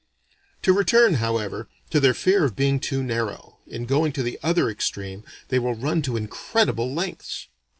To return, however, to their fear of being too narrow, in going to the other extreme they will run to incredible lengths.